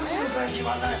決まんない。